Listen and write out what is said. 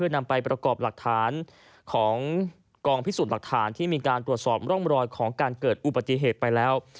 นำไปประกอบหลักฐานของกองพิสูจน์หลักฐานที่มีการตรวจสอบร่องรอยของการเกิดอุบัติเหตุไปแล้ว